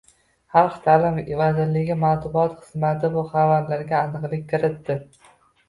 Xalq taʼlimi vazirligi matbuot xizmati bu xabarlarga aniqlik kiritdi.